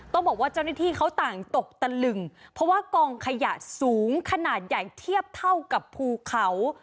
ต้องบอกว่าเจ้าหน้าที่เขาต่างตกตะลึงเพราะว่ากองขยะสูงขนาดใหญ่เทียบเท่ากับภูเขา